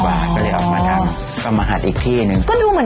ก็ดูเหมือนจะไปที่ดีนะลุงคุณครับ